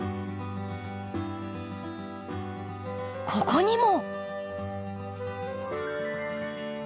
ここにも。